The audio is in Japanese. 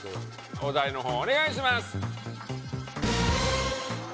お題の方をお願いします